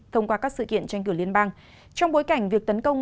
thông qua các sự kiện tranh cử liên bang trong bối cảnh việc tấn công